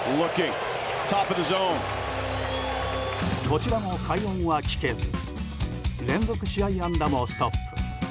こちらも快音は聞けず連続試合安打もストップ。